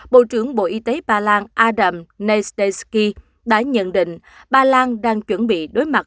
bộ trưởng bộ y tế bà lan adam neusteski đã nhận định bà lan đang chuẩn bị đối mặt